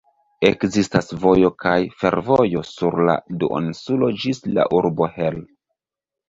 Ekzistas vojo kaj fervojo sur la duoninsulo ĝis la urbo Hel.